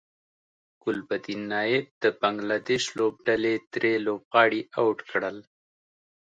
ګلبدین نایب د بنګلادیش لوبډلې درې لوبغاړي اوټ کړل